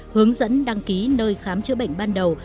hướng dẫn đăng ký nơi khám chữa bệnh ban đầu